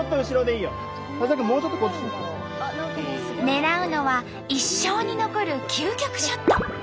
狙うのは一生に残る究極ショット。